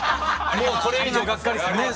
もうこれ以上がっかりするねぇ。